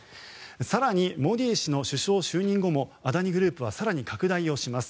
更に、モディ氏の首相就任後もアダニ・グループは更に拡大をします。